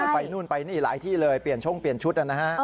ไปนู่นไปหลายที่เลยเปลี่ยนช่วงเปลี่ยนชุด